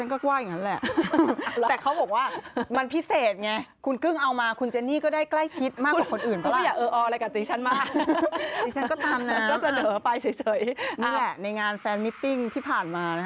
เนื่องจากว่าเธอเองไม่ได้ไปร่มงานดู